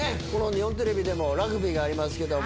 日本テレビでもラグビーがありますけども。